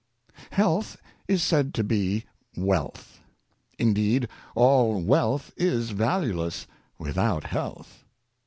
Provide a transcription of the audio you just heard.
EALTH is said to be wealth. Indeed, all wealth is valueless without health.